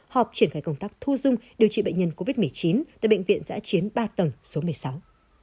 họp triển khai công tác thu dung điều trị bệnh nhân covid một mươi chín tại bệnh viện giã chiến ba tầng số một mươi sáu